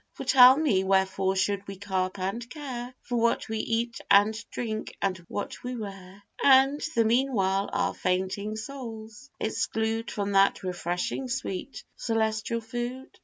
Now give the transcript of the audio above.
For tell me, wherefore should we carp and care For what we eat and drink, and what we wear; And the meanwhile our fainting souls exclude From that refreshing sweet celestial food?